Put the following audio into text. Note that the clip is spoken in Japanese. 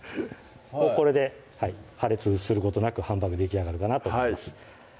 もうこれで破裂することなくハンバーグできあがるかなと思います